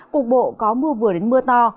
cuộc bộ có mưa vừa đến mưa to